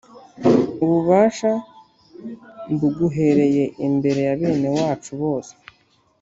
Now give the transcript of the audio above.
Ububasha mbuguhereye imbere ya bene wacu bose